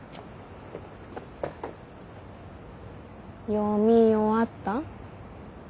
読み終わった？